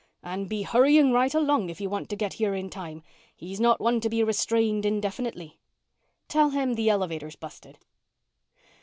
"And be hurrying right along if you want to get here in time. He's not one to be restrained indefinitely." "Tell him the elevator's busted."